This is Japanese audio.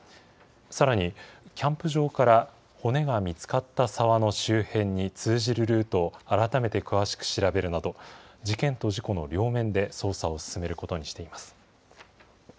さらに、キャンプ場から骨が見つかった沢の周辺に通じるルートを改めて詳しく調べるなど、事件と事故の両面で捜査を進めることにしています。